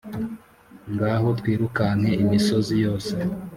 ngaho twirukanke imisozi yose